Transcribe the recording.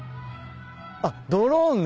あっドローンね。